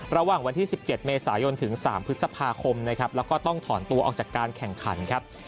ระหว่างวันที่๑๗เมษายนถึง๓พฤษภาคมนะครับแล้วก็ต้องถอนตัวออกจากการแข่งขันครับ